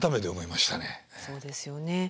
そうですよね。